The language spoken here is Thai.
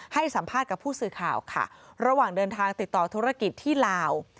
ให้สัมภาษณ์กับผู้สื่อข่าวค่ะระหว่างเดินทางติดต่อธุรกิจที่ลาว